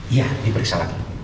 iya diperiksa lagi